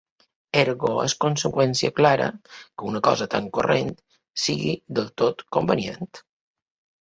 Ergo és conseqüència clara, que una cosa tan corrent, siga del tot convenient.